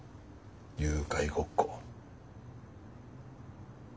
誘拐ごっこ。